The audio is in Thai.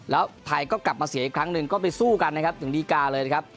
แล้วไทยกลับมาเสียอีกครั้งหนึ่งก็ไปสู้กัน๑ดีกาเลย